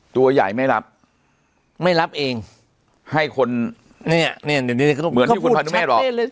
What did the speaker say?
ตัวใหญ่ไม่รับไม่รับเองให้คนเนี่ยเหมือนที่คุณพานุเมฆบอก